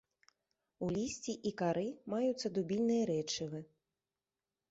У лісці і кары маюцца дубільныя рэчывы.